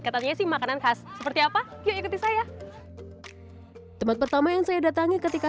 katanya sih makanan khas seperti apa yuk ikuti saya teman pertama yang saya datangi ketika